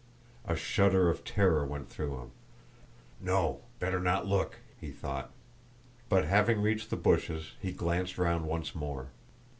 A shudder of terror went through him: "No, better not look," he thought, but having reached the bushes he glanced round once more.